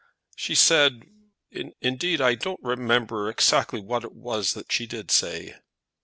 "She said; indeed I don't remember exactly what it was that she did say."